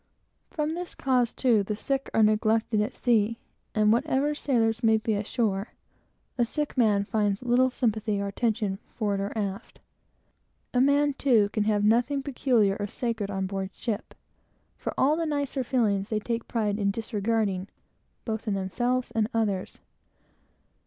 From this, too, the sick are neglected at sea, and whatever sailors may be ashore, a sick man finds little sympathy or attention, forward or aft. A man, too, can have nothing peculiar or sacred on board ship; for all the nicer feelings they take pride in disregarding, both in themselves and others.